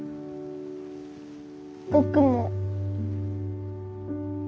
僕も。